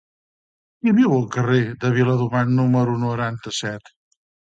Qui viu al carrer de Viladomat número noranta-set?